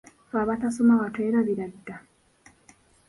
Ffe abatasoma watwerabira dda!